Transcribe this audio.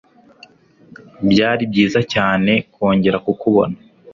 Byari byiza cyane kongera kukubona.